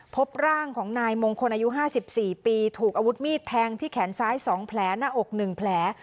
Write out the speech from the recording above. พบร่างของนายมงคลอายุ๕๔ปีถูกอาวุธมีดแทงที่แขนซ้าย๒แผลหน้าอก๑แผล